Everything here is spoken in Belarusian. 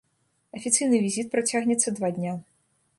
Афіцыйны візіт працягнецца два дня.